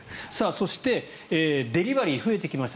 そしてデリバリーが増えてきました。